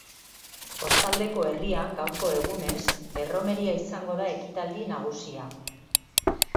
Kostaldeko herrian, gaurko egunez, erromeria izango da ekitaldi nagusia.